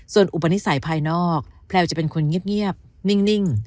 ส่วนอุปนิสัยภายนอกแพลวจะเป็นคนเงียบนิ่ง